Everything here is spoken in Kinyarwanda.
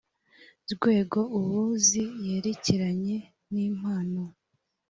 rwego ub uzi yerekeranye n impano